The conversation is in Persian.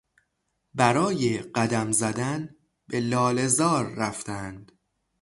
برای قدم زدن به لاله زار رفتند.